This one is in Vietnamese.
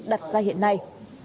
đặt ra hiện nay